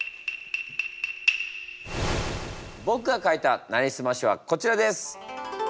僕が書いた「なりすまし」はこちらです。